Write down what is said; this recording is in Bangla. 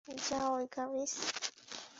যাও, ইকারিস!